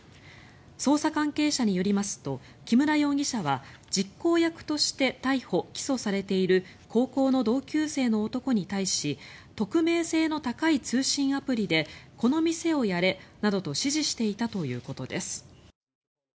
捜査関係者によりますと木村容疑者は実行役として逮捕・起訴されている高校の同級生の男に対し匿名性の高い通信アプリでこの店をやれなどと指示していたということです。